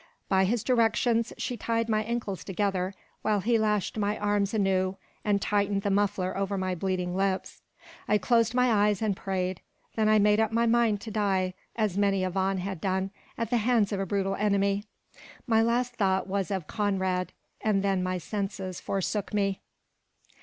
By his directions, she tied my ankles together, while he lashed my arms anew, and tightened the muffler over my bleeding lips. I closed my eyes, and prayed; then I made up my mind to die, as many a Vaughan had done, at the hands of a brutal enemy. My last thought was of Conrad, and then my senses forsook me.